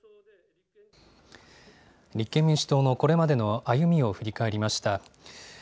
立憲民主党のこれまでの歩みを振り返りました。